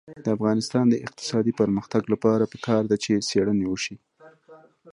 د افغانستان د اقتصادي پرمختګ لپاره پکار ده چې څېړنې وشي.